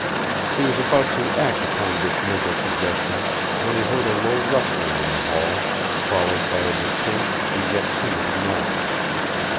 He was about to act upon this mental suggestion when he heard a low rustling in the hall, followed by a distinct and yet timid knock.